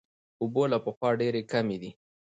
اوبه له پخوا ډېرې کمې دي.